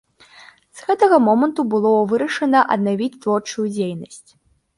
З гэтага моманту было вырашана аднавіць творчую дзейнасць.